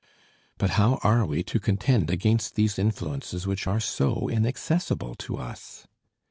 But how are we to contend against these influences which are so inaccessible to us!